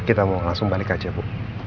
kita mau langsung balik aja bu